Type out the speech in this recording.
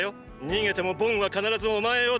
逃げてもボンは必ずお前を捕まえる。